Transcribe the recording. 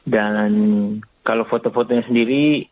dan kalau foto fotonya sendiri